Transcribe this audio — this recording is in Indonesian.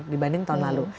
dibanding tahun lalu